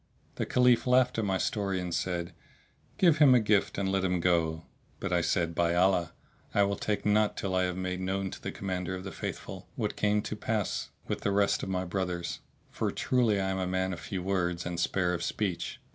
The Caliph laughed at my story and said, "Give him a gift and let him go;" but I said, "By Allah! I will take naught till I have made known to the Commander of the Faithful what came to pass with the rest of my brothers; for truly I am a man of few words and spare of speech."